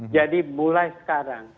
jadi mulai sekarang